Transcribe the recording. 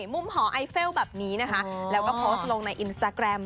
มุมหอไอเฟลแบบนี้นะคะแล้วก็โพสต์ลงในอินสตาแกรม